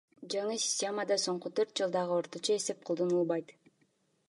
Жаңы системада соңку төрт жылдагы орточо эсеп колдонулбайт.